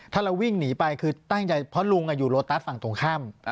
ถ้าเราวิ่งหนีไปคือตั้งใจเพราะลุงอยู่โลตัสฝั่งตรงข้าม